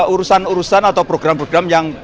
urusan urusan atau program program yang